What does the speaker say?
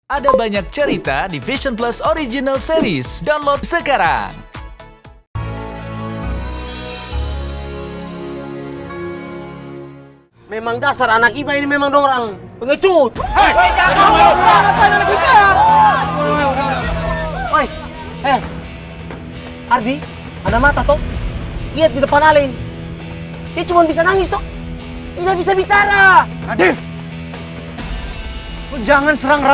ada banyak cerita di vision plus original series download sekarang